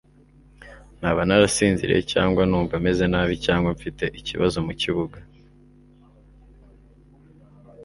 Naba narasinziriye cyangwa numva meze nabi cyangwa mfite ikibazo mu kibuga,